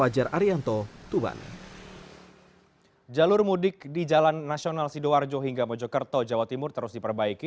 jalur mudik di jalan nasional sidoarjo hingga mojokerto jawa timur terus diperbaiki